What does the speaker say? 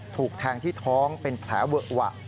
ถูกแทงที่ท้องเป็นแผลเวอะหวะ